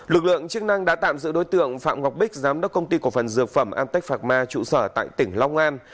lực lượng chức năng đã tạm giữ đối tượng phạm ngọc bích giám đốc công ty cổ phần dược phẩm amtech pharma trụ sở tại tỉnh long an